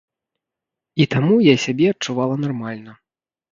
І таму я сябе адчувала нармальна.